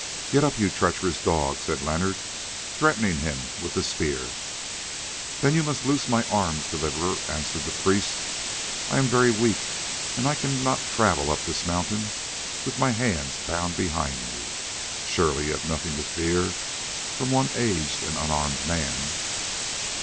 "Get up, you treacherous dog," said Leonard, threatening him with the spear. "Then you must loose my arms, Deliverer," answered the priest; "I am very weak, and I cannot travel up this mountain with my hands bound behind me. Surely you have nothing to fear from one aged and unarmed man."